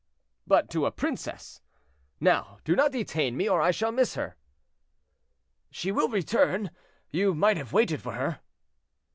"But to a princess! Now do not detain me, or I shall miss her." "She will return, you might have waited for her."